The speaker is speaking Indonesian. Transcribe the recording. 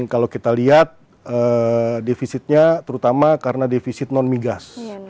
kalau kita lihat defisitnya terutama karena defisit non migas